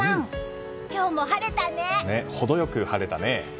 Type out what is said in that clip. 程良く晴れたね。